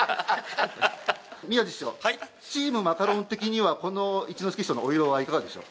宮治師匠、チームマカロン的には、この一之輔師匠のお色はいかがでしょう。